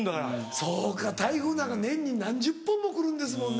そうか台風なんか年に何十本も来るんですもんね。